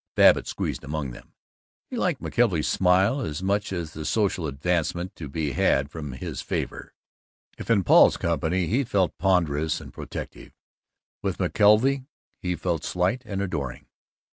Babbitt squeezed among them. He liked McKelvey's smile as much as the social advancement to be had from his favor. If in Paul's company he felt ponderous and protective, with McKelvey he felt slight and adoring.